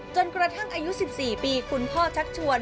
จนกระทั่งอายุ๑๔ปีคุณพ่อชักชวน